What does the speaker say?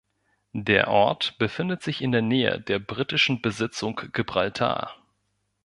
Der Ort befindet sich in der Nähe der britischen Besitzung Gibraltar.